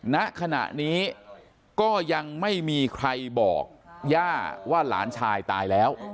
ณขณะนี้ก็ยังไม่มีใครบอกย่าว่าหลานชายตายแล้ว